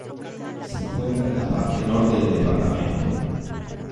Se encuentra en el parte norte del departamento.